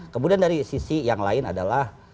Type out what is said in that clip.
kemudian dari sisi yang lain adalah